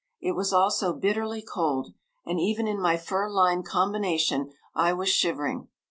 It was also bitterly cold, and even in my fur lined combination I was shivering.